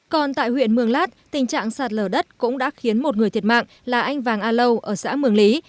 còn tại huyện mường lát tình trạng sạt lở đất cũng đã khiến một người thiệt mạng là anh vàng a lâu ở xã mường lý